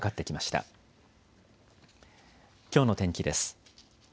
きょうの天気です。